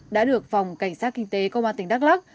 đã được phòng cảnh sát kinh tế công an tỉnh đắk lắc